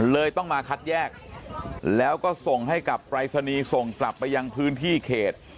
เลยต้องมาคัดแยกแล้วก็ส่งให้กับปรายศนีย์ส่งกลับไปยังพื้นที่เขต